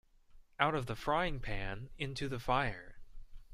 Out of the frying-pan into the fire.